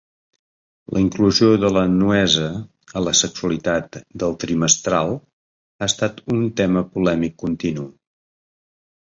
La inclusió de la nuesa i la sexualitat del "trimestral" ha estat un tema polèmic continu.